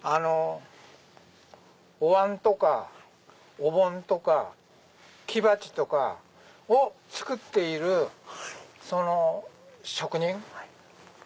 おわんとかお盆とか木鉢とかを作っているその職人。